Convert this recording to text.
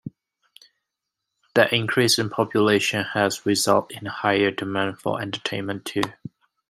The increase in population has resulted in higher demand for entertainment too.